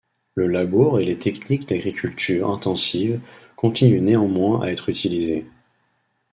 Le labour et les techniques d'agriculture intensive continuent néanmoins à être utilisés.